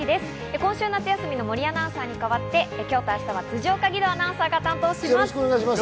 今週夏休みの森アナウンサーに代わって今日と明日は辻岡義堂アナウンサーが担当します。